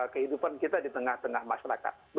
kehidupan kita di tengah tengah masyarakat